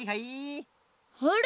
あれ？